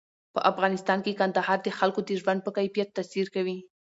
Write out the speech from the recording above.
په افغانستان کې کندهار د خلکو د ژوند په کیفیت تاثیر کوي.